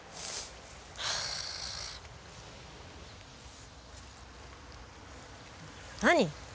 はあ。何？